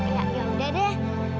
ya yaudah deh